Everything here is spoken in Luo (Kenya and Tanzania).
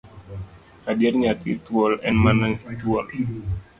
Adier nyathi thuol, en mana thuol.